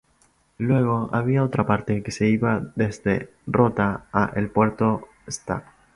Luego había otra parte que iba desde Rota a El Puerto Sta.